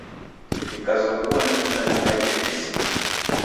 Nikazoghua nekunda nikaie nesi.